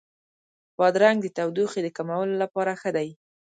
بادرنګ د تودوخې د کمولو لپاره ښه دی.